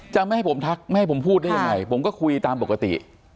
จะไม่ให้ผมทักไม่ให้ผมพูดได้ยังไงผมก็คุยตามปกติ